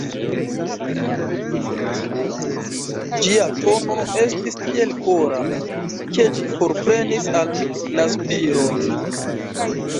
Ĝia tono estis tiel kora, ke ĝi forprenis al mi la spiron.